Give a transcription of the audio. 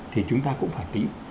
thì chúng ta cũng phải tính